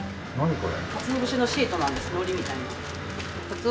これ。